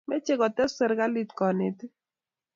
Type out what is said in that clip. Mechei kutes serikalit konetik